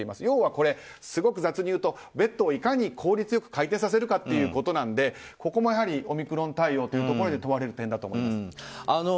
要はすごく雑に言うとベッドをいかに効率よく回転させるかということなのでここもオミクロン対応というところで問われる点だと思います。